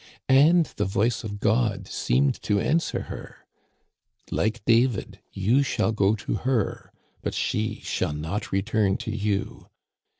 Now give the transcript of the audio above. And the voice of God seemed to answer her :"* Like David you shall go to her, but she shall not return to you.'